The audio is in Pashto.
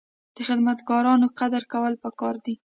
د خدمتګارانو قدر کول پکار دي.